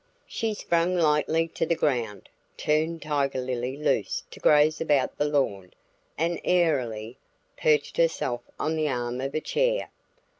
She sprang lightly to the ground, turned Tiger Lilly loose to graze about the lawn, and airily perched herself on the arm of a chair.